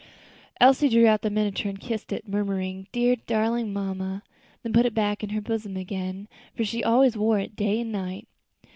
Elsie drew out the miniature and kissed it, murmuring, "Dear, darling mamma," then put it back in her bosom again, for she always wore it day and night.